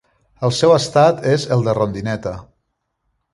El seu estat és el de rondineta.